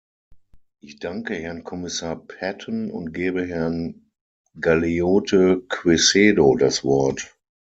Ich danke Herrn Kommissar Patten und gebe Herrn Galeote Quecedo das Wort.